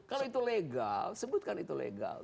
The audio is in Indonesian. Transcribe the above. kalau itu legal sebutkan itu legal